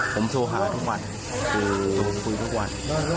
ผมโทรหาทุกวันโทรคุยทุกวัน